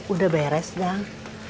udah beres dang